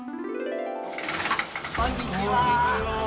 こんにちは。